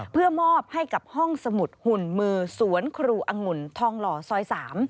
เพื่อมอบให้กับห้องสมุดหุ่นมือสวนครูอังุ่นทองหล่อซอย๓